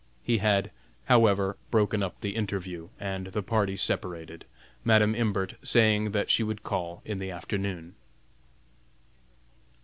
He had, however, broken up the interview, and the party separated, Madam Imbert saying that she would call in the afternoon.